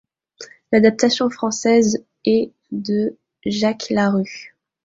L'adaptation française est de Jacques Larue.